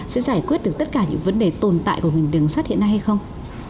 sẽ giải quyết được tất cả những vấn đề tồn tại của ngành đường sắt hiện nay hay không